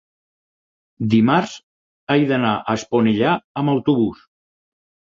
dimarts he d'anar a Esponellà amb autobús.